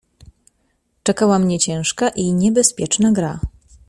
"Czekała mnie ciężka i niebezpieczna gra."